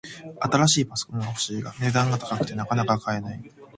新しいパソコンが欲しいが、値段が高くてなかなか買えない